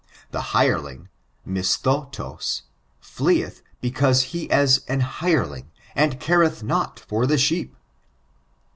The hireling, imsthat09, fleeth because he is an hireling, and careth not for the sheep."